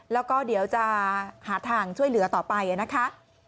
แล้วก็เดี๋ยวจะหาทางช่วยเหลือต่อไปนะคะ